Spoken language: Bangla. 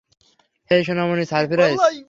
হেই, সোনামণি, সারপ্রাইজ!